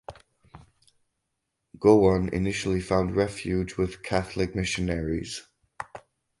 Gowon initially found refuge with Catholic missionaries.